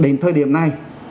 đến thời điểm này